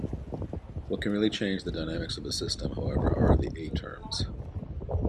What can really change the dynamics of a system, however are the α terms.